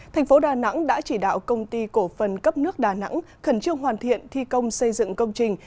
thành phố đà nẵng đã chỉ đạo công ty cổ phần cấp nước đà nẵng khẩn trương hoàn thiện thi công xây dựng công trình